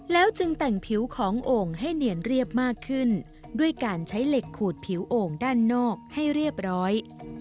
แล้วจึงแต่งผิวของโอ่งให้เนียนเรียบมากขึ้นด้วยการใช้เหล็กขูดผิวโอ่งด้านนอกให้เรียบร้อย